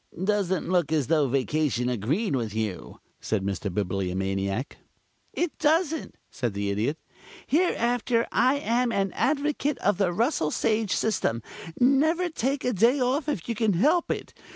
"Doesn't look as though vacation agreed with you," said the Bibliomaniac. "It doesn't," said the Idiot. "Hereafter I am an advocate of the Russell Sage system. Never take a day off if you can help it.